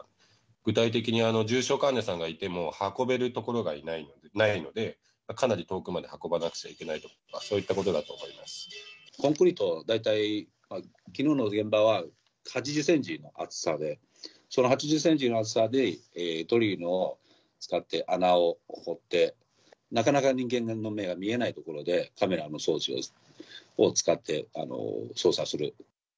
具体的に重傷患者さんがいても、運べる所がないので、かなり遠くまで運ばなくちゃいけないとか、そういったことだと思コンクリート、大体きのうの現場は８０センチの厚さで、その８０センチの厚さで、ドリルを使って穴を掘って、なかなか人間の目が見えない所でカメラの装置を使って捜査する。